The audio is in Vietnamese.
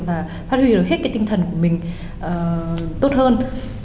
và phát huy được hết cái tinh thần của mình tốt hơn